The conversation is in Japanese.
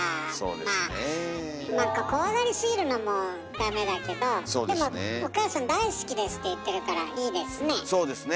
なんか怖がりすぎるのもダメだけどでもお母さん大好きですって言ってるからいいですね。